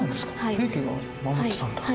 平家が守ってたんだ。